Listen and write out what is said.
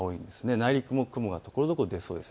内陸も雲がところどころ出てきそうです。